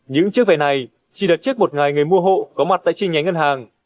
những chiếc vé này chỉ đặt trước một ngày người mua hộ có mặt tại chi nhánh ngân hàng